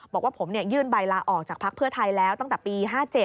บอกว่าผมยื่นใบลาออกจากพักเพื่อไทยแล้วตั้งแต่ปี๕๗